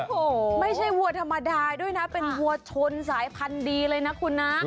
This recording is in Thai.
โอ้โหไม่ใช่วัวธรรมดาด้วยนะเป็นวัวชนสายพันธุ์ดีเลยนะคุณนะ